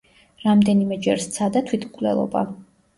რამდენიმეჯერ სცადა თვითმკვლელობა.